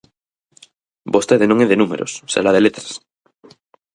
Vostede non é de números, será de letras.